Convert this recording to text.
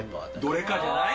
どれかじゃない？